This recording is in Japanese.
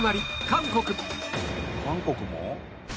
韓国も？